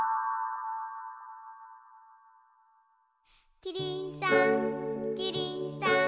キリンさんキリンさん